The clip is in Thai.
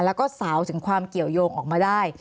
แล้วก็สาวถึงความเกี่ยวยงออกมาได้